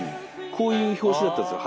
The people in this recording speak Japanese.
こういう表紙だったんですよ